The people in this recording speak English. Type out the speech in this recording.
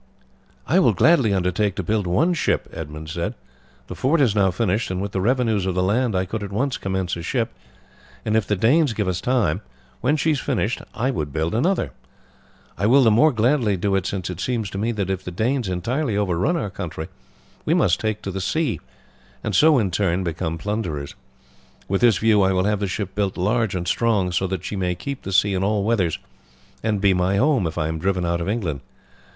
"I will gladly undertake to build one ship," Edmund said. "The fort is now finished, and with the revenues of the land I could at once commence a ship; and if the Danes give us time, when she is finished I would build another. I will the more gladly do it, since it seems to me that if the Danes entirely overrun our country we must take to the sea and so in turn become plunderers. With this view I will have the ship built large and strong, so that she may keep the sea in all weathers and be my home if I am driven out of England.